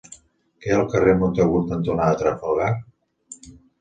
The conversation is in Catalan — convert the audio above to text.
Què hi ha al carrer Montagut cantonada Trafalgar?